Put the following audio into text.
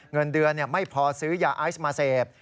เงินเดือนไม่พอซื้อยาไอซ์มาเสพ